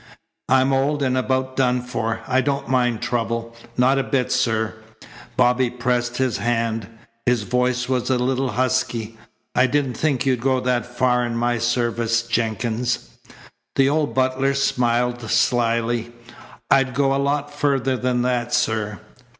I'm old and about done for. I don't mind trouble. Not a bit, sir." Bobby pressed his hand. His voice was a little husky: "I didn't think you'd go that far in my service, Jenkins." The old butler smiled slyly: "I'd go a lot further than that, sir."